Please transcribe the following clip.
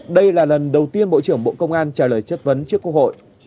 đây là lần đầu tiên bộ trưởng bộ công an trả lời chất vấn trước quốc hội